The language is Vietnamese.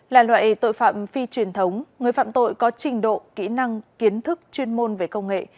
là loại tội phạm phi truyền thống người phạm tội có trình độ kỹ năng kiến thức chuyên môn về công nghệ